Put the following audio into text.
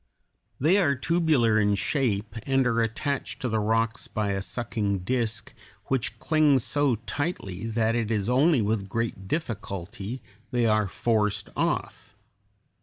They are tubular in shape, and are attached to the rocks by a sucking disk which clings so tightly that it is only with great difficulty they are forced off.